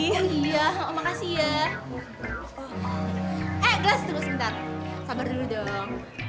oh iya makasih ya eh habis sebentar sabar dulu dong